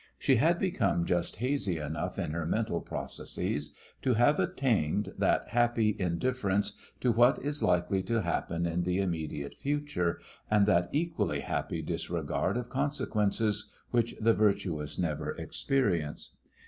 She had become just hazy enough in her mental processes to have attained that happy indifference to what is likely to happen in the immediate future, and that equally happy disregard of consequences which the virtuous never experience.